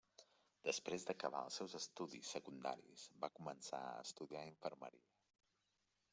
Després d'acabar els seus estudis secundaris, va començar a estudiar infermeria.